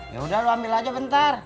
ya udah lo ambil aja bentar